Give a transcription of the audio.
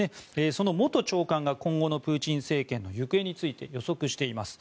その元長官が今後のプーチン政権の行方について予測しています。